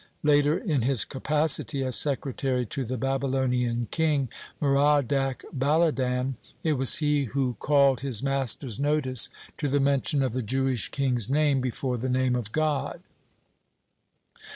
(22) Later, in his capacity as secretary to the Babylonian king Merodach baladan, it was he who called his master's notice to the mention of the Jewish king's name before the Name of God.